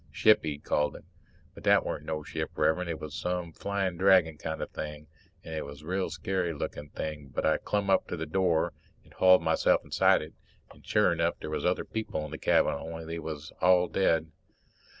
Ship, he'd called it. But that were no ship, Rev'rend, it was some flying dragon kind of thing. It was a real scarey lookin' thing but I clumb up to the little door and hauled myself inside it. And, sure enough, there was other people in the cabin, only they was all dead.